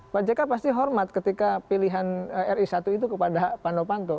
pak jk pasti hormat ketika pilihan ri satu itu kepada pak nopanto